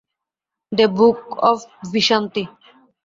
The book of ভিশান্তি!